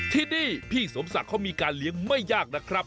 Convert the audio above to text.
ที่นี่พี่สมศักดิ์เขามีการเลี้ยงไม่ยากนะครับ